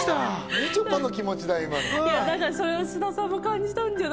みちょぱの気持ちだな。